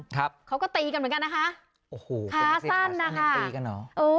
เขาก็ตีกันเหมือนกันนะคะโอ้โหขาสั้นนะคะตีกันเหรอเออ